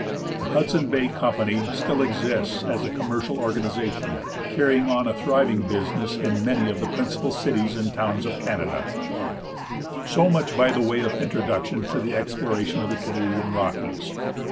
The Hudson Bay Company still exists as a commercial organization, carrying on a thriving business in many of the principal cities and towns of Canada. So much by way of introduction to the exploration of the Canadian Rockies.